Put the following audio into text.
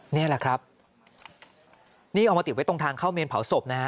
นี่แหละครับนี่เอามาติดไว้ตรงทางเข้าเมนเผาศพนะฮะ